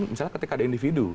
misalnya ketika ada individu